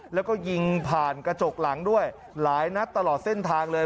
แล้วก็ยิงผ่านกระจกหลังด้วยหลายนัดตลอดเส้นทางเลย